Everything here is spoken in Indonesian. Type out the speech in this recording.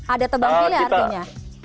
ada tebangnya ya artinya